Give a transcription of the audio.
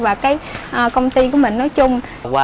và cái công ty của mình nói chung